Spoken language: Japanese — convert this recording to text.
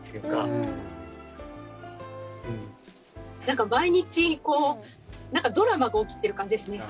何か毎日こう何かドラマが起きてる感じですね。